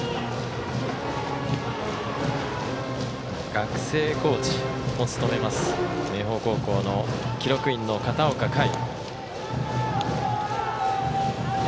学生コーチを務めます明豊高校の記録員の片岡快。